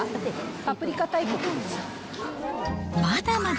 パプリカ大国です。